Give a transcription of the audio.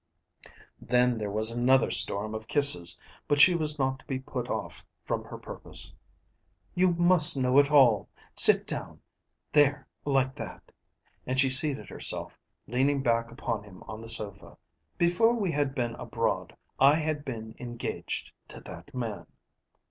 Then there was another storm of kisses, but she was not to be put off from her purpose. "You must know it all. Sit down; there, like that." And she seated herself, leaning back upon him on the sofa. "Before we had been abroad I had been engaged to that man."